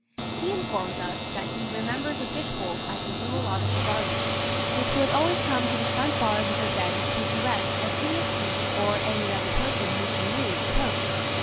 He informs us, that he "remembers a bitch wolf at the Zoological Gardens, which would always come to the front bars of her den to be caressed as soon as he, or any other person whom she knew, approached.